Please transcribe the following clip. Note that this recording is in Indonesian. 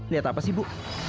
lihat apa bu